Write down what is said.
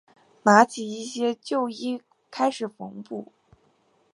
拿起一些旧衣开始缝补